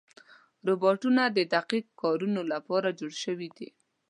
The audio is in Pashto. روبوټونه د دقیق کارونو لپاره جوړ شوي دي.